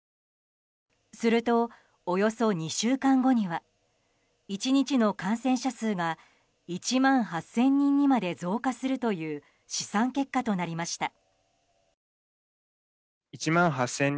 すると、およそ２週間後には１日の感染者数が１万８０００人にまで増加するという試算結果となりました。